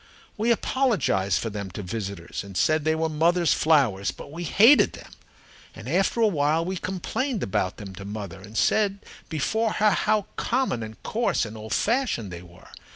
We apologized for them to visitors and said they were mother's flowers, but we hated them. And after a while we complained about them to mother and said before her how common and coarse and old fashioned they were.